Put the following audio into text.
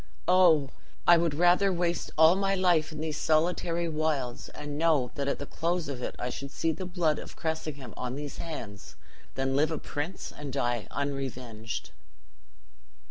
Oh! I would rather waste all my life in these solitary wilds and know that at the close of it I should see the blood of Cressingham on these hands than live a prince and die unrevenged!"